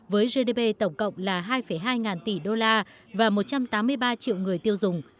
với gdp tổng cộng là hai hai ngàn tỷ đô la và một trăm tám mươi ba triệu người tiêu dùng